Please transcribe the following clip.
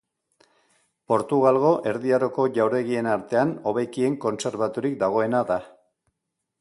Portugalgo Erdi Aroko jauregien artean hobekien kontserbaturik dagoena da.